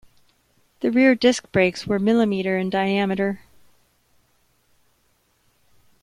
The rear disc brakes were mm in diameter.